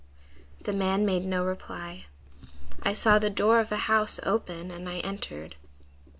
The man made no reply. I saw the door of a house open, and I entered.